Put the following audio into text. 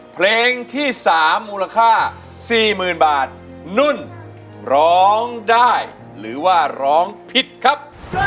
เพลงที่๓มูลค่า๔๐๐๐บาทนุ่นร้องได้หรือว่าร้องผิดครับ